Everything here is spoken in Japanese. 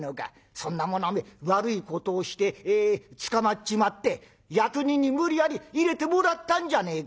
そんなもの悪いことをして捕まっちまって役人に無理やり入れてもらったんじゃねえか。